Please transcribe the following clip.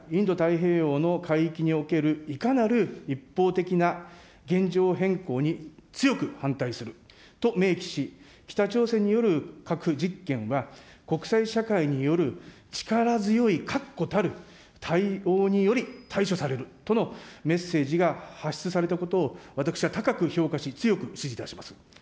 日米韓がインド太平洋における海域におけるいかなる一方的な現状変更に強く反対すると明記し、北朝鮮による核実験は国際社会による力強い確固たる対応により対処されるとのメッセージが発出されたことを、私は高く評価し、強く支持いたします。